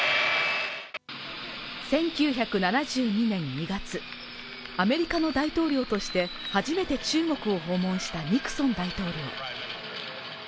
１９７２年２月アメリカの大統領として初めて中国を訪問したニクソン大統領